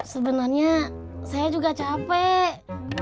sebenarnya saya juga capek